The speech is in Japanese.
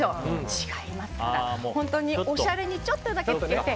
違いますから、本当におしゃれにちょっとだけつけて。